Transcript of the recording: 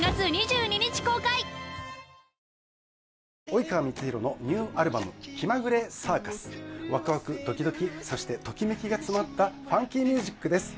「及川光博のニューアルバム『気まぐれサーカス』」「ワクワクドキドキそしてときめきが詰まったファンキーミュージックです」